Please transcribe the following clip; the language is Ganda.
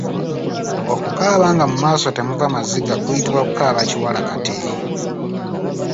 Okukaaba nga mu maaso temuva maziga kuyitibwa kukaaba Kiwalakate.